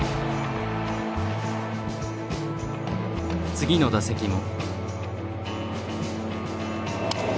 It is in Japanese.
次の打席も。